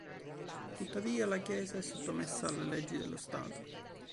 Tuttavia la Chiesa è sottomessa alle leggi dello Stato.